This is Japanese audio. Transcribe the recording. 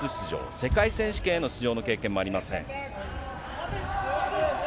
世界選手権への出場の経験もありません。